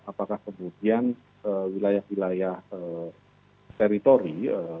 apakah kemudian wilayah wilayah teritori